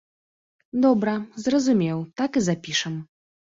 Добра, зразумеў, так і запішам.